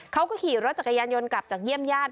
เขาก็ขี่รถจักรยานยนต์กลับจากเยี่ยมญาติ